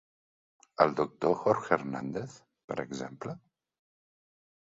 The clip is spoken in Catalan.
El Dr. Jorge Hernández, per exemple?